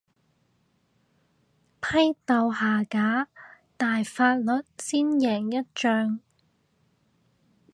批鬥下架大法率先贏一仗